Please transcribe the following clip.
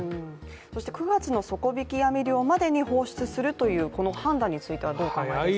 そして９月の底引き網漁までに放出するというこの判断についてはどう思いますか。